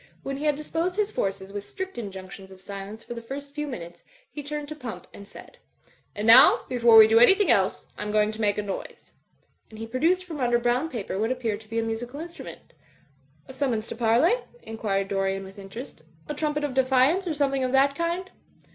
When he had disposed his forces, with strict injunctions of silence for the first few minutes^ he turned. to Pump, and said, "And now, before we do anything else, I'm going to make a noise.'^ And he produced from under brown paper what appeared to be a musical instrument "A summons to parley?" inquired Dorian, with in terest, "a trumpet of defiance, or something of that kind?"